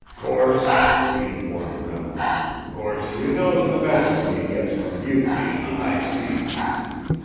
"'Course," he informed them, "'course ye knows the medicine ye gets fer mutiny on the high seas.